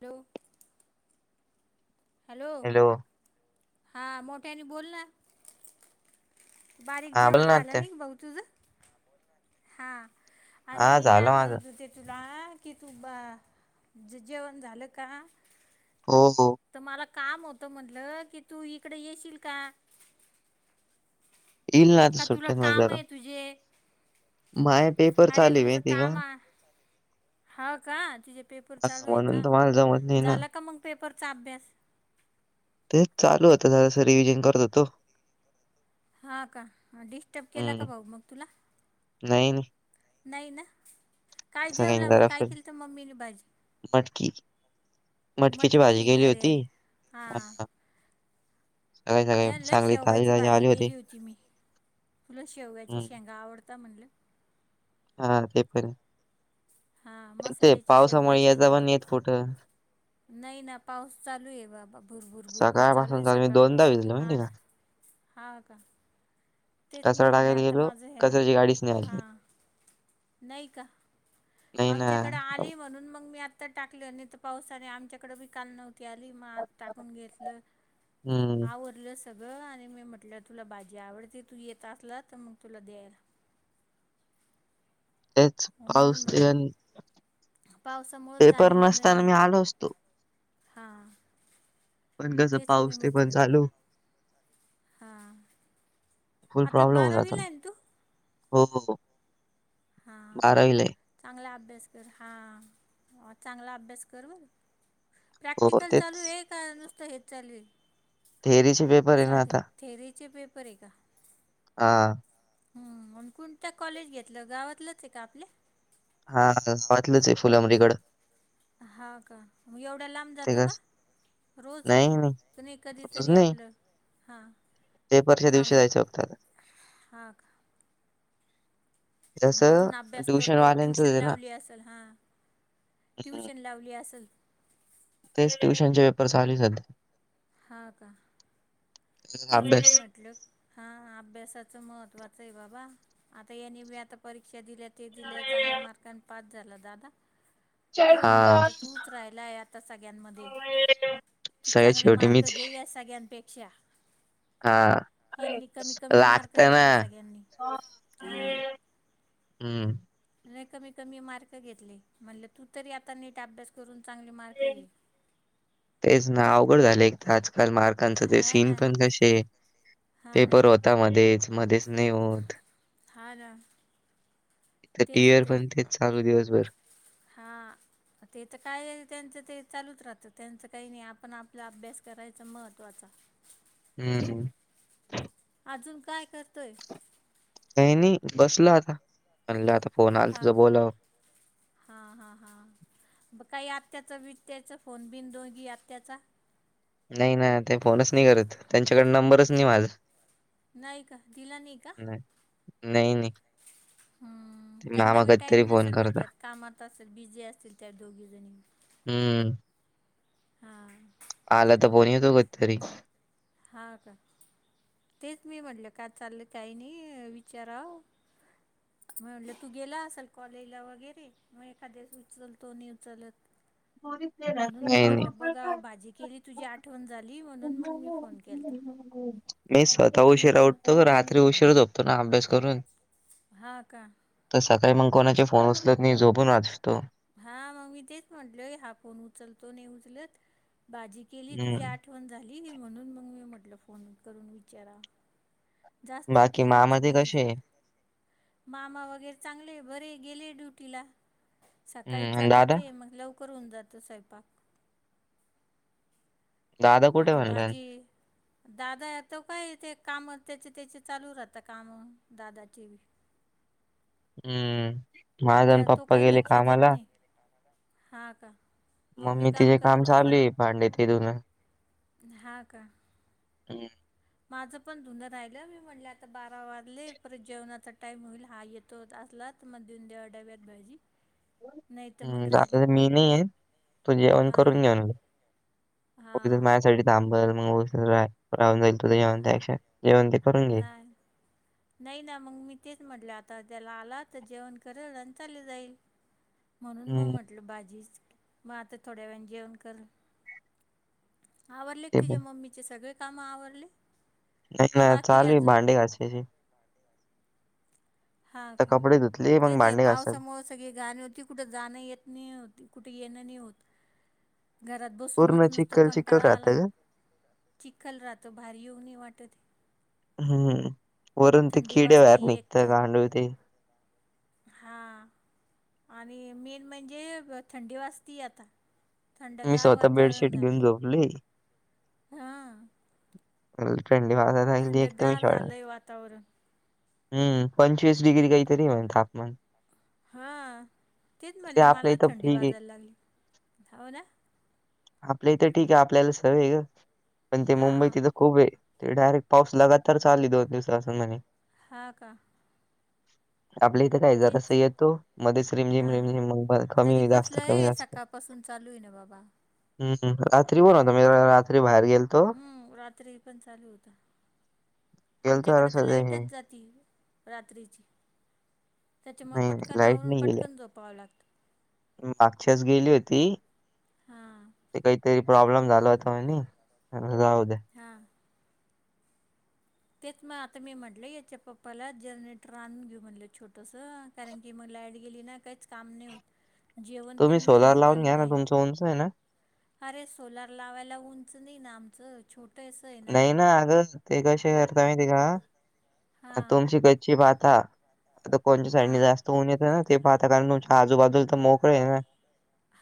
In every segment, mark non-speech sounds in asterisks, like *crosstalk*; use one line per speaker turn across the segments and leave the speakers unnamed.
तो *unintelligible* हॅलो, हां मोठ्यानी बोल ना. बारीक
हा बोल
जेवण
ना
झालं
आत्या
नाही भाऊ तुझं? हा, अरे
हा
मी काय
झालं माझं
म्हणत होते तुला की तू बा ज जेवण झालं का?
हो हो.
त मला काम होतं म्हटलं की तू इकडे येशील का?
येईल ना आता
का तुला
सुट्ट्यांमध्ये
काम
जरा
आहे तुझे?
माय पेपर चाले माहिती का?
हाव का तुझे पेपर चालू
हा
आहे
म्हणून
का
तर मला जमत नाही ना
झाला का मग पेपरचा अभ्यास?
तेच चालू होतं जरासं रिव्हीजन करत होतो.
हा का, डिस्टर्ब केला का
हम्म
भाऊ मग तुला?
नाही नाही
नाही नां? काय
असं काही
जेवला
नाही
मग
जरा
काय
फिर
केलतं मम्मी न भाजी?
मटकी मटकीची
मटकी
भाजी
अरे
केली होती
अरे हा.
सकाळी
अ लय
चांगली ताजी
शेवगाची
ताजी
भाजी
आली
केली होती मी तुला शेवग्याची
हम्म
शेंगा आवडता म्हणलं.
हा, तेपन आहे.
हा
ते
मसाल्याची
पावसामुळे
शेवगाची
येता
शेंगा
पण येत कुठं
नाही ना पाऊस चालू आहे बाबा भूरभूर, भूरभूर चालू
सकाळपासून
आहे
मी
सकाळ
दोनदा
पासून
भिजलो माहिती
हाना.
आहे
हा का. तेच
का
मी
कचरा
म्हणले
टाकायला
आता
गेलो
माझं ह्या
कचऱ्याची गाडीच नाही आली
हा नाही कां
नाही ना
आमच्याकडे आ नाही म्हणून मग मी आता टाकलं नाही तर पावसाने आमच्याकडे बिकाल नवत त्याली मान टाकून घेतलं,
हम्म
आवर तुलं सगळं आणि मी म्हटलं तुला भाजी आवडती तू येत असला तर मग तुला द्यायला.
तेचं पाऊस येन
पावसामुळेच जाणं येणं नाही
नसताना मी
होत
आलो असतो.
*inaudible* हा.
पण कसं पाऊस ते पण चालू
हां
फुल
आता
प्रॉब्लेम होऊन
बारावीला
जातोना
आहे ना तू
हो.
हा
बारावीला आहे.
चांगला अभ्यास कर, हा चांगला अभ्यास कर बर.
हो
प्रॅक्टिकल चालू
तेच
आहे? का नुसतं हेच चालू आहे?
थेअरीचे पेपर आहे ना
साधे
आता.
थेरीचे पेपर आहे का?
हा.
हम्म, कोणत्या कॉलेज घेतलं गावातलंच आहे का आपल्या?
हा गावातलंच आहे, फुलंबरीगढ..
हा का एवढ्या लांब
ते
जातो का?
कस
रोज नाही
रोज
कधीतरी
नाही.
आपलं हा
पेपरच्या दिवशी जायचं हप्त्याले.
हा हाका.
जसं
घरून अभ्यास
ट्युशन
करतो.
वाल्यांचंच
ट्युशन
आहे ना
लावली असेल हा
हम्म,
ट्युशन लावली आसल.
तेच ट्युशनचे पेपर चालू झालते.
हा का?
तसाच
तेच मी
अभ्यास
म्हटलं हा हा अभ्यासाचं महत्त्वाचये बाबा आता ये नी ब्या आता परीक्षा दिल्या ते दिल्या चांगल्या मार्कानी पास झाला दादा. तेच म्हटलं
हा
आता तूच राहिलाय आता सगळ्यांमध्ये. चू
सगळ्यात
चांगले
शेवटी
मार्क
मीच आहे.
घे या सगळ्यांपेक्षा
हा,
यांनी कमी कमी मार्क
लागत
घेतले
ना.
सगळ्यांनी
*unintelligible* हम्म.
रेकामेकांमी मार्क घेतले म्हणलं तू तरी आता नीट अभ्यास करून चांगले मार्क घे.
तेच ना अवघड झाले एक ताजकाल मार्क कांचं ते
हा
सीन
ना
पण कशे
हा ना
पेपर होता मध्येच मध्येच नई होत.
हा ना.
ते टीयर पण तेच चालू दिवसभर.
हा. ते तर काय त्यांचं ते चालूच राहतं त्यांचं काही नाही आपण आपला अभ्यास करायचा महत्त्वाचा.
हम्म.
अजून काय करतोय?
काय नाई बसलो आता म्हणलं आता फोन आल तूझं बोलावं.
हा हा हा. बग काही आत्याच बीत्याचा फोन बिन दोघी आत्याचा?
नाही ना ते फोनच नाही करत त्यांच्याकडे नंबरच नाही माझ.
नाही का दिला नाही का
नाय नाई नाई.
हम्म त्यांना बी टाईम
फोन
नसल
करता.
भेटत कामात असेल बिझी असतील त्या दोघी जणी.
हम्म.
हा.
आला त फोण येतो कधतरी.
हा का, तेच मी म्हटलं का चाललं काही नाही विचारावं. म म्हणलं तू गेला असल कॉलेजला वगैरे. म एखाद्यास उचलल तो नई उचलत म्हणून मी
नाही, नाही.
म्हटलं बघा भाजी केली तुझी आठवण झाली म्हणून मग मी फोन केलता.
मी स्वतः उशीरा उठतो रात्री उशीरा झोपतो ना अंभ्यास करून.
हा का.
तर सकाळी मंग कोणाचे फोन उचलत नई झोपून वाचतो.
हा मग मी तेच म्हटलय हा फोन उचलतो नई उचलत बाजी केली
हं.
तुझी आठ वण झाली म्हणून मग मी म्हटलं फोन करून विचाराव. जास्तच
बाकी
केली
मामा
होती
ते कसे
भाजी.
आहे?
मामा वगैरे चांगले बरे गेले ड्युटीला सकाळी
हम्म अन
जातात
दादा?
ते म लवकर ऊन जातो स्वयंपाक.
दादा कुठे
आता
म्हणलं?
बाजी दादा येतो काय ते काम त्याचे त्याचे चालू राहतं काम दादा चे वी.
हम्म माझण
त्या तो
पप्पा
काही
गेले
लक्ष देत
कामाला.
नाही हा का.
मम्मी तिचेे काम चालूय भांडे ते धून.
हा का.
हम्
माझं पण धुनर राहिलं मी म्हणलं आता बारा वाजले परत जेवणाचा टाइम होईल हा येत तो असला तर मग दिऊंद्यावा डब्यात भाजी नाही तर
हम्
मग
जा
राहिलं
मी नाही आहे तू जेवण करून घेऊन घे
हा
उगीचच माझ्यासाठी तांबल मग राहून जाईल तुझ जेवण त्यापेक्षा जेऊन घे
नाहीय नाही ना मग मी तेच म्हटले आता त्याला आला तर जेवण करेल आणि चाले जाईल म्हणून मग
हम्म
म्हटलं भाजीच मग आता थोड्या वेळाने जेवण कर आवरले क
ते
तुझ्या
पण
मम्मीचे सगळे काम आवरले
नाही
का
ना
बाकी आहे
चालू
अजून
भांडे घासायचे
हा
आता
का
कपडे धुतले मग
तेच हे
भांडे घासायला.
पावसमूळच सगळी गाणी होती कुठे जाणं येत नाही होती कुठे येणं नाही होत घरात
पूर्ण
बसूनच नुसतं
चिखल चिखल
कंटाळा आलाय
राहतं गं.
चिखल राहतो बाहेर येऊ नई वाटते
हम्म वरून ते
थंडी
किडे बाहेर
वाजती एक
निघत
तर
गांडव ते
हा आणि मेन म्हणजे थंडी वाजती आता
मी
थंडगार
स्वतः
वातावरण
बेडशीट
झाले
*unintelligible*
हा
*unintelligible*
ते वातावरण
हम्म पंचवीस डग्री काहीतरी हो तापमान
हा तेच
ते
म्हटलं
आपल्या
मला
इथं
थंडी
ठीक आहे.
वाजायला लागली होव ना??
आपल्या तर ठीक आहे आपल्याला सवये हो पण ते मुंबई
हां
तिथं खूप आहे ते डायरेक्ट पाऊस लगात तर चालू दोन दिवस असं म्हणे
हा का
आपले जरासा
तेच
येतो मध्येच रिमझिम
हां
रिमझिम
तरी
कमी जास्त
कसलं
कमी
आहे सकाळपासून चालू आहे ना बाबा
हम्म हम्म रात्री पण होता मी रात्री बाहेर गेल
हम्म रात्री पण चालू होता
गेलतो
आमच्याकडे तर
जरासं ते हे
लाईटच जात ती रात्रीची *inaudible* त्याच्यामुळ
नाही
पटकन
लाईट
आवरून
नाही गेली.
पटकन झोपावं लागतं.
मागच्याच गेली होती
हां
काहीतरी प्रॉब्लेम झाला होता म्हणून म्हणलं जाऊद्या.
हा तेच मग आता मी म्हटल याच्या पप्पाला जनरेटर आणून घेऊ म्हणलं छोटसं कारण की मग लाईट गेली ना काहीच काम नाही होत. जेवण पण
तुम्ही
नि
सोलार
होत
लावून घ्या ना
आणि
तुमचं उंच आहे ना?
*inaudible* अरे सोलार लावायला उंच नाही ना आमचं छोट
नाही ना अगं ते कसे करता माहिती आहे का
हां
तुमची कच्ची पाता आता कोणच्या साईडने
हां
जास्त तोन येत ना ते पाहता कारण तुमच्या आजूबाजूला तर मोकळे ना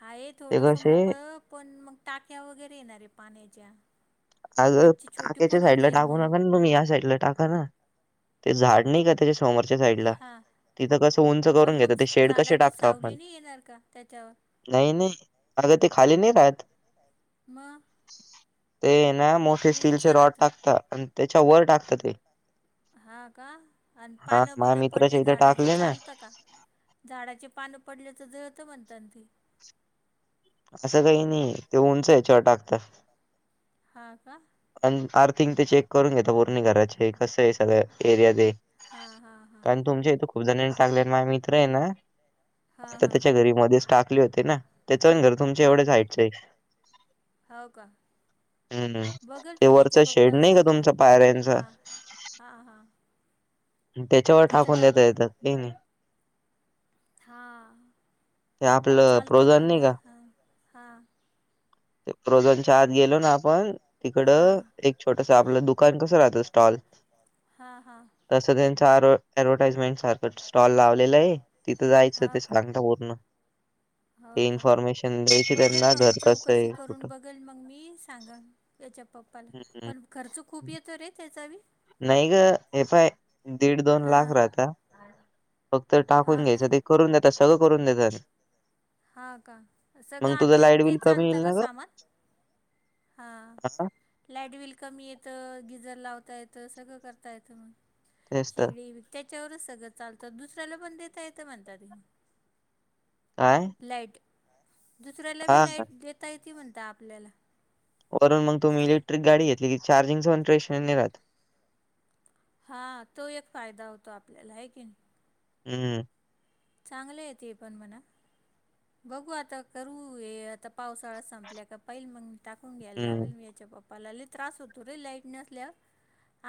हाय
ते
थोडंस
कसे
मोकळं पण मग टाक्या वगैरे येणारे पाण्याच्या
अगं
गच्ची छोटी
टाक्याच्या
पडून
साईड ला
जाईल
टाकू
मग
नका ना तुम्ही या साईड ला टाका ना ते झाड नाही का त्याच्या समोरच्या साईड ला
हां
तिथं कसं उंच
पण
करून घेत
मग
ते शेड कसे
झाडाची
टाकतो आपण
सावली नाही येणार का त्याच्यावर
नाही नाही अगं ते खाली नाही राहत.
म
ते ना मोठे स्टीलचे रॉड
राहतं
टाकत आणि त्याच्या वर टाकत ते.
हा का आणि
हा
पानं
माझ्या
बिन
मित्राच्या
पडले
इथे
झाडाचे
टाकले ना
चालतं का? झाडाचे पानं पडले तर जळत हणत ते
असं काही नाही ते उंच ह्याच्यावर टाकतात.
हा का?
आणि आर्थिंग ते चेक करून घेेत पूर्णी घराचे कसं आहे सगळ्या एरिया दे
हां हां हां
कारण तुमच्या इथे खूप जणांनी टाकले माझ मित्र आहे ना
हां
आता
हां
त्याच्या घरी मध्येच टाकले होते ना त्याचंण घर तुमच्या एवढ्या हाईटचं आहे.
होओ का
हम्म ते
बगर याच्या
वरचा शेड
पप्पाला
नाही का
सांगा
तुमचा पायऱ्यांचा
हा हा हा
त्याच्यावर टाकून देत येत ते नाही
हा
ते आपलं
चालतं हो
प्रोझॉन नाही
ना
का
हा हा
*unintelligible* शत गेलो ना आपण तिकड
हां
एक छोटस आपलं दुकान कसं राहतं स्टॉल
हा हा
तसं त्यांच याडव्हर्टाइजमेंट सारखं स्टॉल लाव ते लई आहे तिथं जायचं
हां
ते
का
सांगता पूर्ण
हो
ते
का
इन्फॉर्मेशन द्यायची
बघल
त्यांना
त
घर कसं
चौकशी
आहे कुठं
करून बघ बल मग मी सांगाल त्याच्या पप्पाला
हम्म.
पण खर्च खूप येतो रे त्याचा बी
नाही ग एफाय दीड दोन लाख
हां
राहता फक्त टाकून
हां का
घ्यायचं ते करून देतात सगळं करून देतात.
हा का
मग
सगळं
तुझं
ते
लाईट
ते
बिल
चा
कमी
आणलत
येईल
का
ना ग
सामान हां
हा
लाईट बिल कमी येतं गिजर लावता येतं सगळं करता येतं मग
तेच तर
शेगडी त्याच्यावरच सगळं चालतं दुसऱ्याला पण देता येतं म्हणतात ते
काय
लाईट दुसऱ्याला
हा
बी लाईट देता य ती म्हणता आपल्याला
वरून मग तुम्ही इलेक्ट्रिक गाडी घेतली क चार्जिंग स पण प्रेशनने नि रात
हा तो एक फायदा होतो आपल्याला आहे की नी
हम्म
चांगलय ते पण म्हणा बघू आता करू ये आता पावसाळा संपल्या का पाहिल मग टाकून घ्यायला
हम्म
लागवेल मी याच्या बाप्पा पाला त्रास होतो रे लाईट नसल्यावर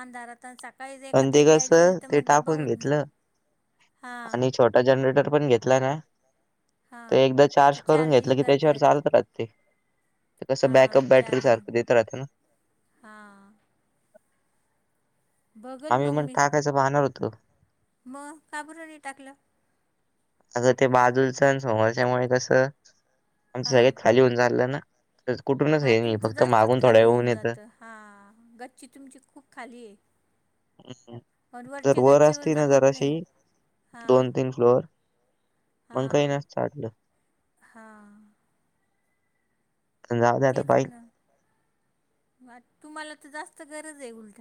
अंधारात प सकाळीच
पण
एखाद
ते
लाईट गेली
कसं
तर
ते
मग डब्बा
टाकून
होत नाही हां
आता जनरेटर पण घेतला ना
हां
ते एकदा चार्ज
तर
करून
चार्जिंग
घेतलं की त्याच्यावर
करतायत
चालत राहतय. कसं
हां
बॅकअप बॅटरी सारखं देत राह ना
हा बघल
आम्ही
मग
पण
मी
टाकायचं पाहणार होतो
मग का बर णी टाकलं.
अगं ते बाजूलचण समोरच्यामुळे कसं आमचं सगळत
हां
खाली होऊ चाललं ना तर कुठूनच हे फक्त मागून थोडं होऊन येतं.
हा गच्ची तुमची खूप खाली आहे. पण
तर
वरच्या
वर
गच्चीवर
असती ना
जमत
जराशी
नाही
दोन
हां
तीन फ्लोअर. पण काही
हां
नसत आढलं.
हां.
पण जाऊ द्या आता
तेच
बाई.
ना तुम्हाला तर जास्त गरज आहे उलट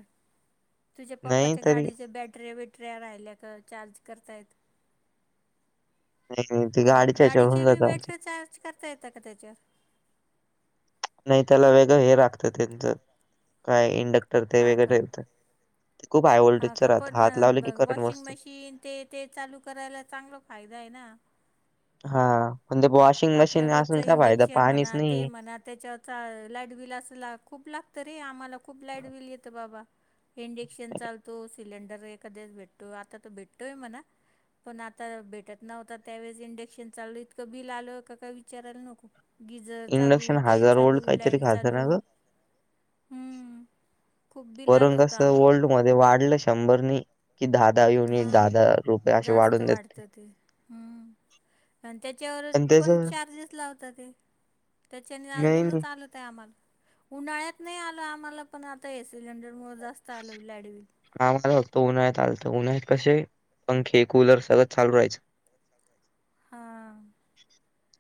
तुझ्या
नाही
पप्पाच्या
तरी
गाडीच्या बॅटर ब ट्र्या राहिल्या का चार्ज करता येत.
नाही नाही ते
ब
गाडीच्या ह्याच्यावर
गाडीचे
होऊन
बी
जातं आमचं
बॅटरी चार्ज करता येतं का? त्याच्यावर.
नाही त्याला वेगळं हे राखत त्यांचं काय इंडक्टर ते वेगळं ठेवत.
हा का पण
करंट
वॉशिंग
बसतो.
मशीन ते ते चालू करायला चांगला फायदा आहे ना.
हा पण ते बॉशी
आपल्या रोजचं इंडेक्शन म्हणा ते म्हणा त्याच्या- लाईट बिल अस खूप लागतं रे आम्हाला खूप लाईट बिल येतं बाबा! इंडक्शन चालतो. सिलेंडर एखाद्याच भेटतो. आता तो भेटतोय. पण आता भेटत नव्हता त्यावेळेस इंडक्शन चाललं इतकं बिल आलं. का? काय विचारायला नको. गिजर, चालू
इंडक्शन
ते
हजार वोल्ट
चालू
काहीतरी
लाईट,
खातं
चालू
ना गं?
हमम. खूप बिल आल
वरून
होतं
कसं
आम्हाला
मध्ये वाढलं शंभरनी. कि दहा दहावी
हा जास्त वाढतं ते हम्म. आणि त्याच्यावर पण चार्जेस लावतात. ते त्याच्याने
नाही नाही
अजूनच आलं. आम्हाला उन्हाळ्यात नाही आलं आम्हाला पण आता ए सिलेंडर मुळं जास्त आलं लाईट बिल.
हा मला फक्त उन्हाळ्यात आलत उन्हाळ्यात कसे पंखे, कूलर, सगळं चालू राहायचं.
हा.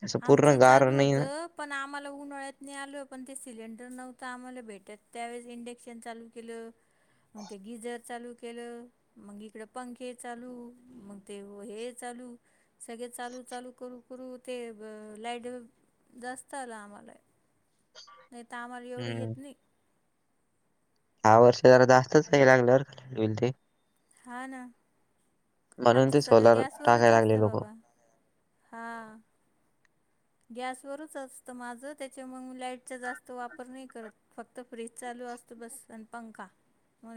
असं पूर्ण
आमचं
गार
चालू
नाही ना
होतं. पण आम्हाला उन्हाळ्यात नाही आलो पण ते सिलेंडर नव्हतं आम्हाला भेटत त्यावेळेस इंडक्शन चालू केलं. आणि त गिजर चालू केलं. मग इकड पंखे चालू मग ते हे चालू. सगळे चालू चालू करू करू ते लाईट जास्त आला आम्हांला. नाही तर आम्हाला एवढं
हम्म
येत नाही.
ह्या वर्षी जरा जास्तच यायलागलं बिल ते.
हा ना
म्हणून
आमचं
ते
सगळं
सोलार
गॅसवरच
टाकायला लागले
असतं
लोक
बाबा. हा. गॅसवरच असतं माझं त्याच्या मग लाईटचा जास्त वापर नाही करत. फक्त फ्रीज चालू असतो बस आणि पंखा. मग